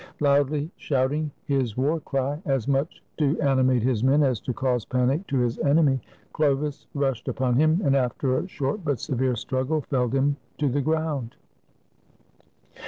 Loudly shouting his war cry, as much to animate his men as to cause panic to his enemy, Chlovis rushed upon him, and after a short but severe struggle, felled him to the ground.